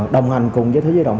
đồng hành cùng với thế giới duy động